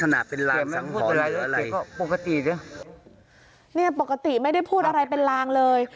นี่ปกติไม่ได้พูดอะไรเป็นรางเลย